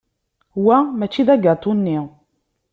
Wa mačči d agatu-nni.